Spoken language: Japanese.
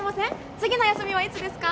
次の休みはいつですか？